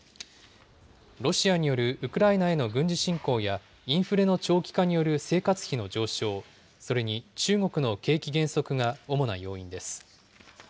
ロシアによるウクライナへの軍事侵攻や、インフレの長期化による生活費の上昇、それに中国の景気減速が主な要因です。